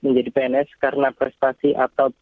menjadi pns karena prestasi atau